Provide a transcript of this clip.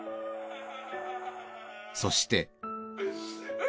そして。